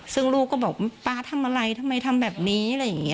ซึ่งลูกก็บอกว่าป๊าทำอะไรทำไมทำแบบนี้อะไรอย่างนี้